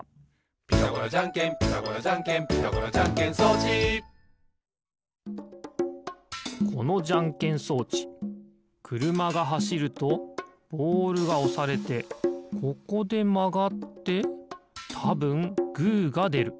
「ピタゴラじゃんけんピタゴラじゃんけん」「ピタゴラじゃんけん装置」このじゃんけん装置くるまがはしるとボールがおされてここでまがってたぶんグーがでる。